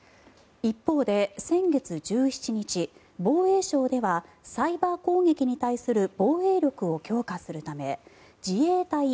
一方で先月１７日防衛省ではサイバー攻撃に対する防衛力を強化するため自衛隊